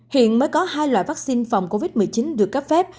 hiện mới có hai loại vaccine phòng covid một mươi chín được cấp phép